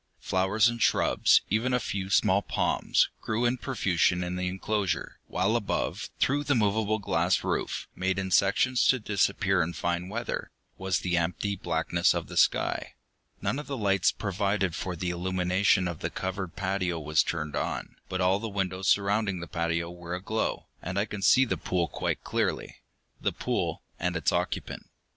Flowers and shrubs, even a few small palms, grew in profusion in the enclosure, while above, through the movable glass roof made in sections to disappear in fine weather was the empty blackness of the sky. None of the lights provided for the illumination of the covered patio was turned on, but all the windows surrounding the patio were aglow, and I could see the pool quite clearly. The pool and its occupant.